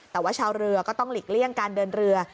แต่ว่าชาวเรือก็ต้องหลีกเลี่ยงการเดินเรือ